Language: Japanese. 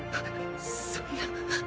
そんな。